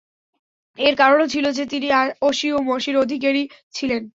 এর কারণও ছিল যে তিনি অসি ও মসির অধিকারী ছিলেন।